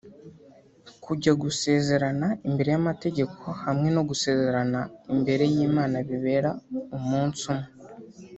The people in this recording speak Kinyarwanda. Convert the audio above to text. kujya gusezerana imbere y’amategeko hamwe no gusezerana imbere y’Imana bibera umunsi umwe